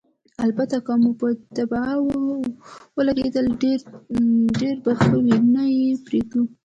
البته که مو په طبعه ولګېدل، ډېر به ښه وي، نه یې پرېږدو.